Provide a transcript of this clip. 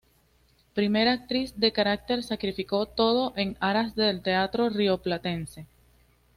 Primera actriz de carácter, sacrificó todo en aras del teatro rioplatense.